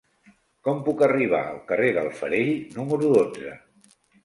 Com puc arribar al carrer del Farell número dotze?